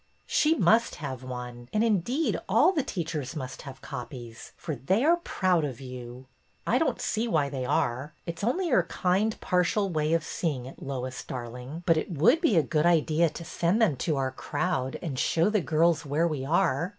•'' She must have one, and indeed all the teachers must have copies, for they are proud of you." I don't see why they are. It 's only your kind partial way of seeing it, Lois, darling, but it ii8 BETTY BAIRD'S VENTURES would be a good idea to send them to our crowd to show the girls where we are.